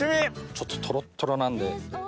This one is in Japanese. ちょっとトロットロなんで。